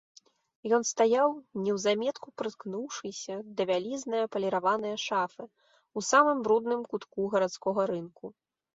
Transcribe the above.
Ён стаяў, неўзаметку прыткнуўшыся да вялізнае паліраванае шафы, у самым брудным кутку гарадскога рынку.